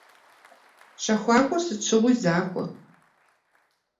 Щэхуакӏуэр сыт щыгъуи захуэщ!